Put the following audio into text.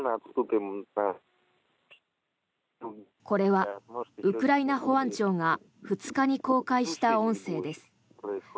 これはウクライナ保安庁が２日に公開した音声です。